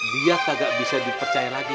dia kagak bisa dipercaya lagi